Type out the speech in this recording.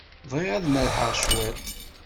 Bɣiɣ ad merrḥeɣ cwiṭ.